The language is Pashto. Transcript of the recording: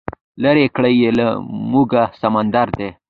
لرې کړی یې له موږه سمندر دی